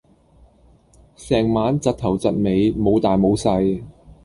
成晚窒頭窒尾，冇大冇細